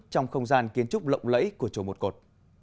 trong không gian kiến trúc lộng lẫy của chùa một cột